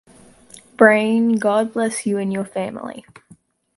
Brain, God bless you and your family.